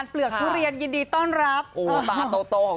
เรื่องบทที่เราไม่เคยเล่นมาก่อน